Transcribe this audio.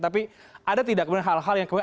tapi ada tidak kemudian hal hal yang kemudian